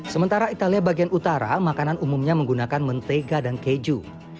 sementara italia bagian utara makanan umumnya menggunakan mentega dan keju